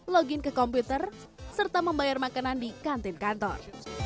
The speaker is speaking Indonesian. login ke komputer serta membayar makanan di kantin kantor